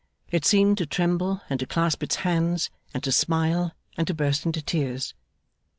It seemed to tremble, and to clasp its hands, and to smile, and to burst into tears.